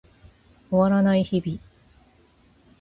終わらない日々